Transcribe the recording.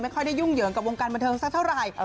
ค่อยได้ยุ่งเหยิงกับวงการบันเทิงสักเท่าไหร่